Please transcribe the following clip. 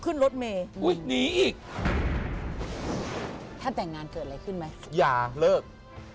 ขึ้นรถเมย์อุ้ยหนีอีกถ้าแต่งงานเกิดอะไรขึ้นไหมอย่าเลิก